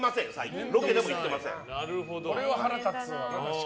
これは腹立つわ。